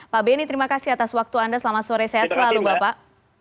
pak benny terima kasih atas waktu anda selamat sore sehat selalu bapak